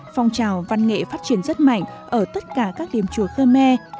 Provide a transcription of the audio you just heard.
phong trào văn nghệ phát triển rất mạnh ở tất cả các điểm chùa khơ me